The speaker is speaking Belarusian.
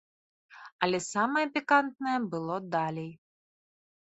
Але самае пікантнае было далей.